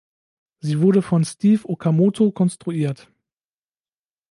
Sie wurde von Steve Okamoto konstruiert.